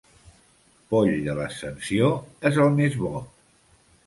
Poll de l'Ascensió és el més bo.